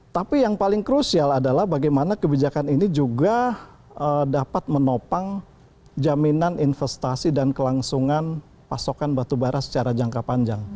tapi yang paling krusial adalah bagaimana kebijakan ini juga dapat menopang jaminan investasi dan kelangsungan pasokan batubara secara jangka panjang